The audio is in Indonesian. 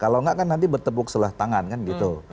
kalau nggak kan nanti bertepuk selah tangan kan gitu